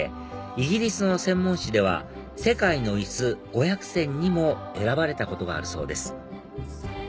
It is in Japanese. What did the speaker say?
イギリスの専門誌では世界の椅子５００選にも選ばれたことがあるそうです